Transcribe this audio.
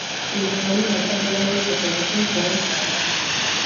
کینیايي متل وایي په چټکۍ خوړل تاوان لري.